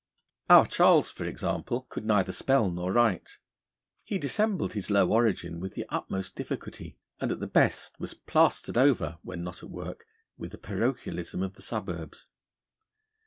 Our Charles, for example, could neither spell nor write; he dissembled his low origin with the utmost difficulty, and at the best was plastered over (when not at work) with the parochialism of the suburbs.